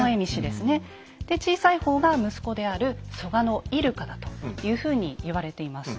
で小さい方が息子である蘇我入鹿だというふうに言われています。